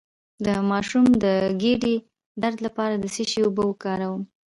د ماشوم د ګیډې درد لپاره د څه شي اوبه وکاروم؟